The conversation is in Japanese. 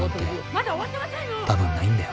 まだ終わってませんよ！